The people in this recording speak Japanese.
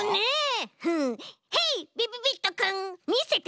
ヘイびびびっとくんみせて！